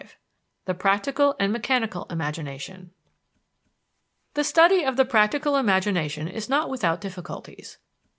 CHAPTER V THE PRACTICAL AND MECHANICAL IMAGINATION The study of the practical imagination is not without difficulties.